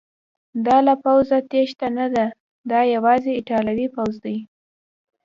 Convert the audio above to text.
دا له پوځه تیښته نه ده، دا یوازې ایټالوي پوځ دی.